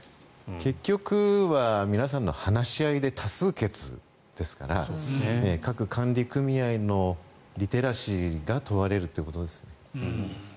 結局は皆さんの話し合いで多数決ですから各管理組合のリテラシーが問われるということです。